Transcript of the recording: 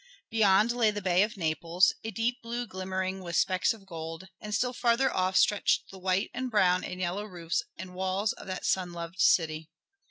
Beyond lay the bay of Naples, a deep blue glimmering with specks of gold, and still farther off stretched the white and brown and yellow roofs and walls of that sun loved city.